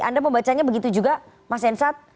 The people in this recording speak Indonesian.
anda membacanya begitu juga mas hensat